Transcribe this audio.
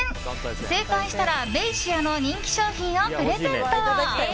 正解したらベイシアの人気商品をプレゼント。